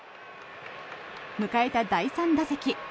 迎えた第３打席。